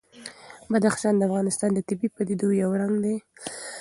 بدخشان د افغانستان د طبیعي پدیدو یو رنګ دی.